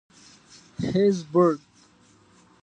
هېزبرګ.